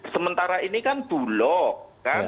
sementara ini kan bulog kan